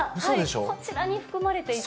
こちらに含まれていて。